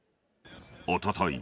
おととい